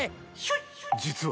実は。